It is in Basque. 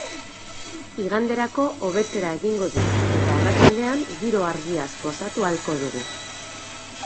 Iganderako, hobetzera egingo du eta arratsaldean giro argiaz gozatu ahalko dugu.